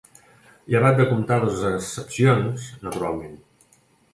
Llevat de comptades excepcions, naturalment.